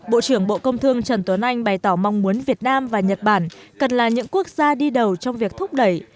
bộ trưởng bộ công thương trần tuấn anh bày tỏ mong muốn việt nam và nhật bản cần là những quốc gia đi đầu trong việc thúc đẩy